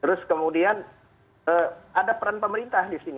terus kemudian ada peran pemerintah di sini